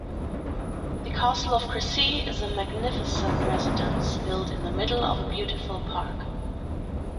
The castle of Cressé is a magnificent residence built in the middle of a beautiful park.